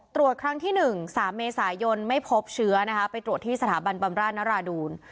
ตรวจครั้งที่๑๓เมษายนไม่พบเชื้อนะคะไปตรวจที่สถาบันบำราชนราดูล